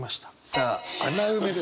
さあ穴埋めです。